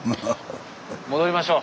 戻りましょう。